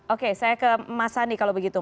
oke saya ke mas sani kalau begitu